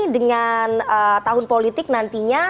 dengan tahun politik nantinya